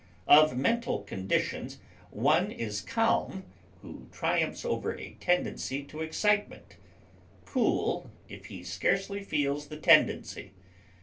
Of mental conditions, one is calm who triumphs over a tendency to excitement; cool, if he scarcely feels the tendency.